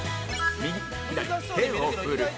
右左手を振る